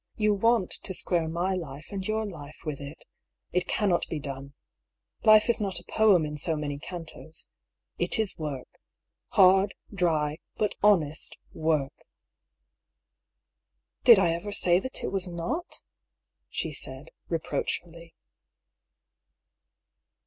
You want to square my life and your life with it. It cannot be done. Life is not a poem in so many cantos. It is work ; hard, dry, but honest worh^^ DIARY OF HUGH PAULL. 141 " Did I ever say that it was not ?" she said, reproach fully.